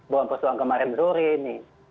bohong persoalan kemarin sore ini